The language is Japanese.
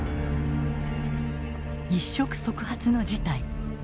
一触即発の事態。